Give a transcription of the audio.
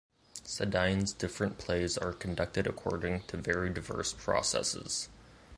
Sedaine’s different plays are conducted according to very diverse processes.